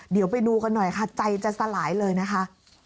เดี๋ยวไปดูกันหน่อยค่ะใจจะสลายเลยนะคะ